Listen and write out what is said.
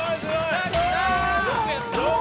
やったー！